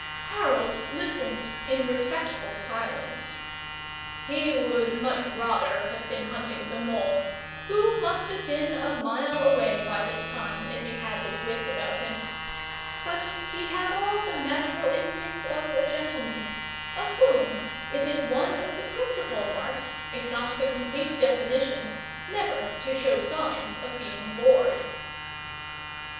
Harold listened in respectful silence. He would much rather have been hunting the mole, who must have been a mile away by this time if he had his wits about him. But he had all the natural instincts of a gentleman; of whom it is one of the principal marks, if not the complete definition, never to show signs of being bored.